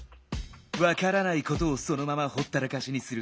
わからないことをそのままほったらかしにする。